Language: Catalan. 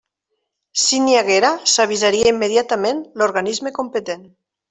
Si n'hi haguera, s'avisaria immediatament l'organisme competent.